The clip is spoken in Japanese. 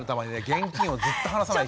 現金をずっと離さない人。